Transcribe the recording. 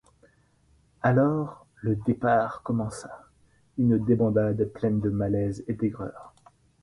Alors, le départ commença, une débandade pleine de malaise et d'aigreur.